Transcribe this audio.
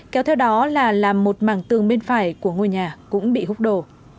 kéo theo đó là làm một mảng tường bên phải của ngôi nhà cũng bị hút đổ